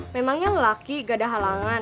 memangnya lelaki gak ada halangan